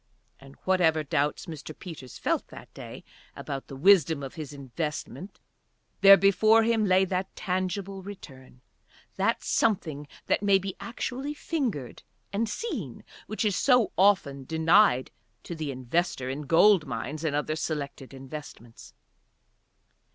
And, whatever doubts Mr. Peters felt that day about the wisdom of his investment, there before him lay that tangible return, that something that may be actually fingered and seen, which is so often denied to the investor in gold mines and other Selected Investments.